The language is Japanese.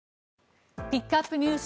ピックアップＮＥＷＳ